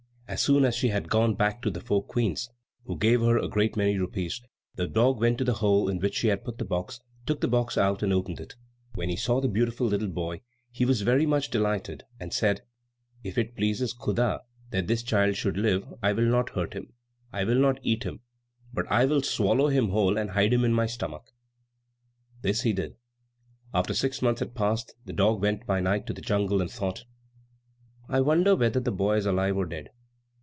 As soon as she had gone back to the four Queens (who gave her a great many rupees), the dog went to the hole in which she had put the box, took the box out, and opened it. When he saw the beautiful little boy, he was very much delighted and said, "If it pleases Khuda that this child should live, I will not hurt him; I will not eat him, but I will swallow him whole and hide him in my stomach." This he did. After six months had passed, the dog went by night to the jungle, and thought, "I wonder whether the boy is alive or dead."